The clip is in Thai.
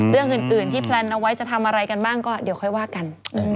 เรื่องอื่นที่แพลนเอาไว้จะทำอะไรกันบ้างก็เดี๋ยวค่อยว่ากัน